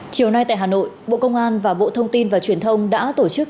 chiều nay tại hà nội bộ công an và bộ thông tin và truyền thông đã tổ chức